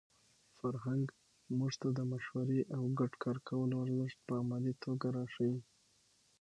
فرهنګ موږ ته د مشورې او ګډ کار کولو ارزښت په عملي توګه راښيي.